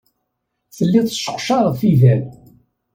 Telliḍ tesseqcareḍ tidal.